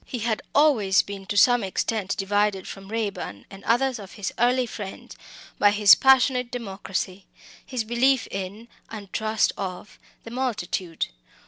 He had always been to some extent divided from Raeburn and others of his early friends by his passionate democracy his belief in, and trust of, the multitude.